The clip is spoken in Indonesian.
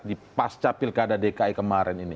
di pasca pilkada dki kemarin ini